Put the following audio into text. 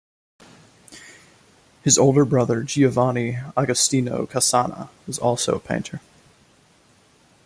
His older brother Giovanni Agostino Cassana was also a painter.